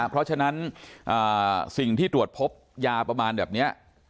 เพราะฉะนั้นสิ่งที่ตรวจพบยาประมาณแบบนี้